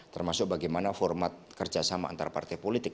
termasuk bagaimana format kerjasama antar partai politik